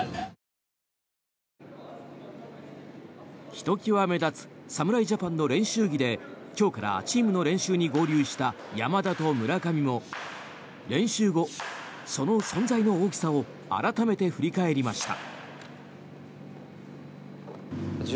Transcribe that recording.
ひときわ目立つ侍ジャパンの練習着で今日からチームの練習に合流した山田と村上も練習後、その存在の大きさを改めて振り返りました。